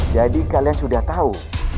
jadi kalian sudah tau